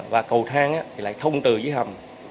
và cầu thang lại thông từ dưới hầm